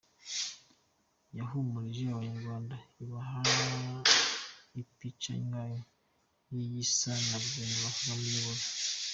Yahumurije abanyarwanda ibaha ipica nyayo y’igisa na guverinoma Kagame ayoboye.